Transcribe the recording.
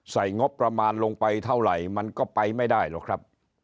งบประมาณลงไปเท่าไหร่มันก็ไปไม่ได้หรอกครับ